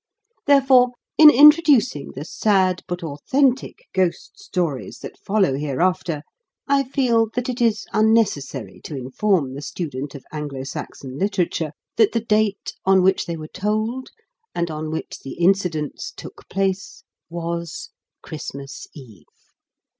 Therefore, in introducing the sad but authentic ghost stories that follow hereafter, I feel that it is unnecessary to inform the student of Anglo Saxon literature that the date on which they were told and on which the incidents took place was Christmas Eve.